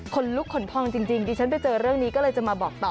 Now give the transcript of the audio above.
ลุกขนพองจริงดิฉันไปเจอเรื่องนี้ก็เลยจะมาบอกต่อ